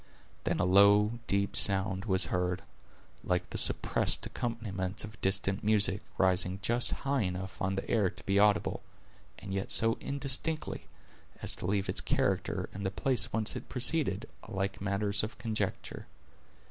Then a low, deep sound was heard, like the suppressed accompaniment of distant music, rising just high enough on the air to be audible, and yet so indistinctly, as to leave its character, and the place whence it proceeded, alike matters of conjecture.